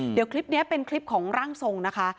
เดี๋ยวคลิปนี้เป็นคลิปของร่างทรงนะคะ